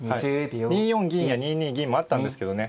２四銀や２二銀もあったんですけどね。